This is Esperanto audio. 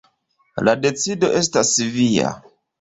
La decido estas via.